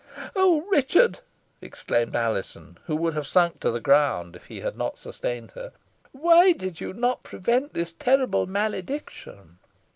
"Oh, Richard!" exclaimed Alizon, who would have sunk to the ground if he had not sustained her. "Why did you not prevent this terrible malediction?"